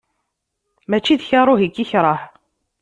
Mačči d karuh i k-ikreh.